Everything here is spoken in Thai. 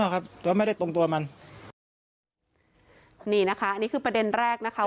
แล้วมันได้ตรงตัวมานนี่นะคะนี่คือประเด็นแรกนะคะ